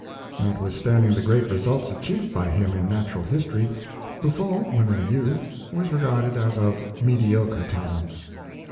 Notwithstanding the great results achieved by him in natural history, Buffon, when a youth, was regarded as of mediocre talents.